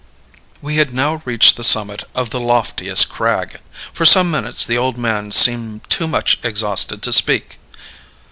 We had now reached the summit of the loftiest crag. For some minutes the old man seemed too much exhausted to speak.